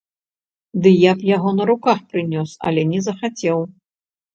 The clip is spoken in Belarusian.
Ды я б яго на руках прынёс, але не захацеў.